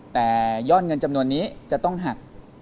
แต่ยอดเงินจำนวนนี้จะต้องหัก